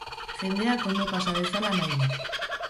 Jendeak ondo pasa dezala nahi dut.